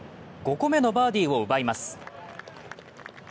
５個目のバーディーを奪います。